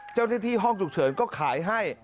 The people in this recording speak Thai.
เจ้าหน้าที่ห้องฉุกเฉินก็ขายให้